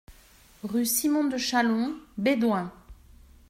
Rue Simon de Chalons, Bédoin